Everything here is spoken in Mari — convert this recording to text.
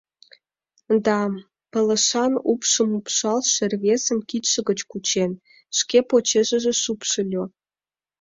— Да, пылышан упшым упшалше рвезым кидше гыч кучен, шке почешыже шупшыльо: